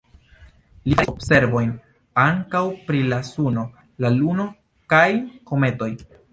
Li faris observojn ankaŭ pri la Suno, la Luno kaj kometoj.